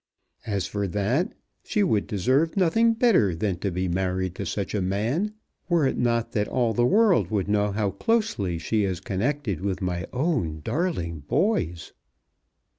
As for that, she would deserve nothing better than to be married to such a man, were it not that all the world would know how closely she is connected with my own darling boys!